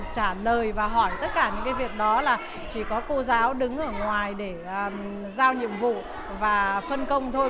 trả lời và hỏi tất cả những cái việc đó là chỉ có cô giáo đứng ở ngoài để giao nhiệm vụ và phân công thôi